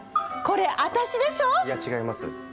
いや違います。